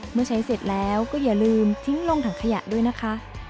เมื่อใช้เสร็จแล้วก็อย่าลืมทิ้งลงถังขยะด้วยนะคะ